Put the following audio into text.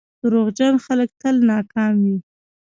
• دروغجن خلک تل ناکام وي.